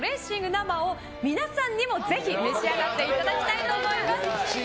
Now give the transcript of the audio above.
生を皆さんにもぜひ召し上がっていただきたいと思います。